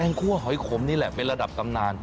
คั่วหอยขมนี่แหละเป็นระดับตำนาน